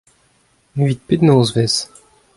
Evit pet nozvezh ?